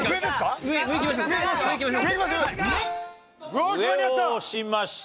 上を押しました。